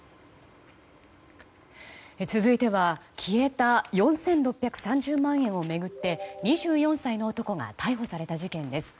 続いては消えた４６３０万円を巡って２４歳の男が逮捕された事件です。